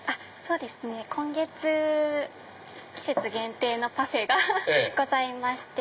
今月季節限定のパフェがございまして。